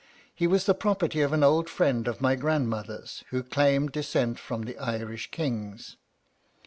He was the property of an old friend of my grandmother's, who claimed descent from the Irish kings.